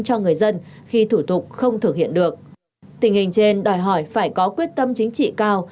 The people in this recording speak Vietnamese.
cho người dân khi thủ tục không thực hiện được tình hình trên đòi hỏi phải có quyết tâm chính trị cao